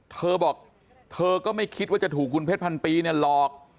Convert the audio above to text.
เธอบอกเธอก็ไม่คิดว่าจะถูกคุณเพชรพันปีเนี่ยหลอก